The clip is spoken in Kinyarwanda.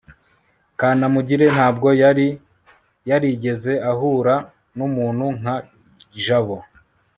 kanamugire ntabwo yari yarigeze ahura numuntu nka jabo